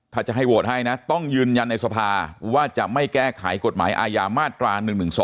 ถ้าจะให้โหวตให้นะต้องยืนยันในสภาว่าจะไม่แก้ไขกฎหมายอาญามาตรา๑๑๒